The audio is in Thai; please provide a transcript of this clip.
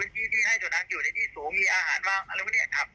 ที่ที่ให้สุนัขอยู่ในที่สูงมีอาหารวางอะไรพวกนี้ครับ